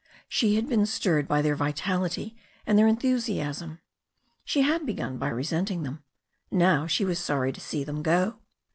She had been stirred by their vitality and their enthusiasm. She had begun by resenting them. Now she was sorry to see them go.